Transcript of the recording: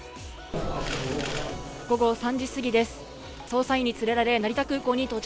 午後３時過ぎです。